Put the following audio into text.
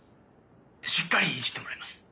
しっかりいじってもらいます。